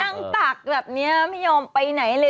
ตักแบบนี้ไม่ยอมไปไหนเลย